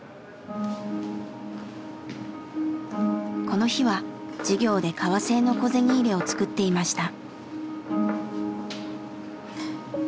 この日は授業で革製の小銭入れを作っていました。